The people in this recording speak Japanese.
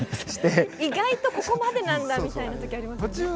意外とここまでなんだみたいな時ありますよね。